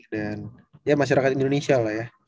dan ya masyarakat indonesia lah ya